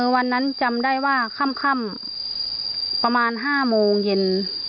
วันนั้นจำได้ว่าค่ำประมาณ๕โมงเย็น